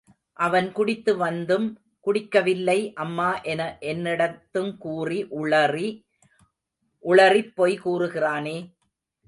அவன் குடித்து வந்தும், குடிக்கவில்லை அம்மா என என்னிடத்துங்கூட உளறி உளறிப் பொய் கூறுகிறானே.